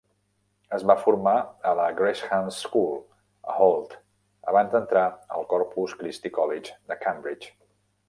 Es va formar a la Gresham's School, a Holt, abans d'entrar al Corpus Christi College de Cambridge.